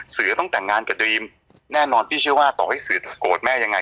เสือต้องแต่งงานกับดรีมแน่นอนพี่เชื่อว่าต่อให้สื่อโกรธแม่ยังไง